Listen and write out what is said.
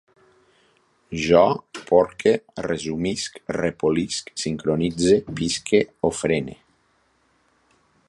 Jo porque, resumisc, repolisc, sincronitze, pisque, ofrene